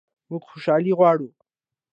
موږ خوشحالي غواړو